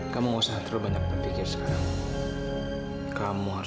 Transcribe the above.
kamu usah terlalu banyak berpikir kamu harus